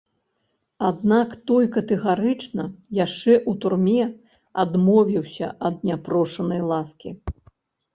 Аднак той катэгарычна, яшчэ ў турме, адмовіўся ад няпрошанай ласкі.